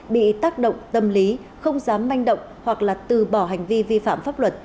bị tác động tâm lý không dám manh động hoặc là từ bỏ hành vi vi phạm pháp luật